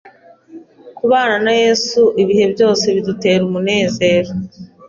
kubana na yesu ibihe byose bidutra umunezero